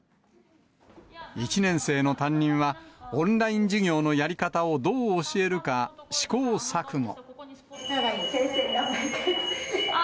１年生の担任は、オンライン授業のやり方をどう教えるか、試行錯誤。